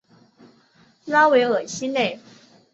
拉韦尔西内。